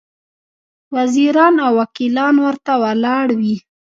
وزیران او وکیلان ورته ولاړ وي.